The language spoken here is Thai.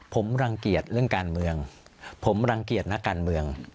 ผมรังเกียจเรื่องการเมืองผมรังเกียจนักการเมือง